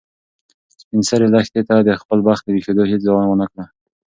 سپین سرې لښتې ته د خپل بخت د ویښېدو هیڅ دعا ونه کړه.